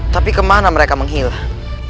tapi kemana mereka menghilang